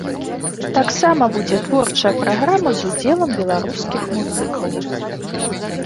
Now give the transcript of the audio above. Таксама будзе творчая праграма з удзелам беларускіх музыкаў.